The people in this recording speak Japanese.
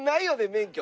免許。